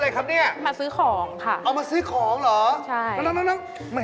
ตายจะตายหรอครับตายงานม้นนา